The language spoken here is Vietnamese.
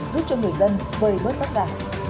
giúp cho người dân vơi bớt vất vả